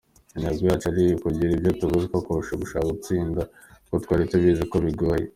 Intego yacu kwari ukugira ibyo tubigiraho kurusha gushaka gutsinda kuko twari tubizi ko bigoye.